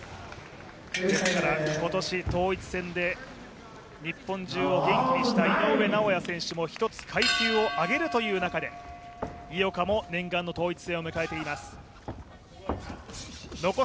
今年統一戦で日本中を元気にした井上尚弥選手も１つ階級を上げるという中で井岡も念願の統一戦を迎えています。